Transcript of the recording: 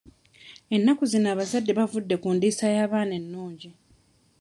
Ennaku zino abazadde bavudde ku ndiisa y'abaana ennungi.